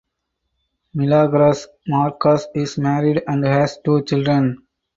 Milagros Marcos is married and has two children.